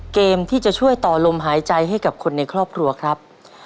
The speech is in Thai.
เกมที่จะช่วยต่อลมหายใจให้กับคนในครอบครัวครับ